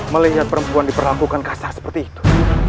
melihat perempuan diperlakukan kasah seperti itu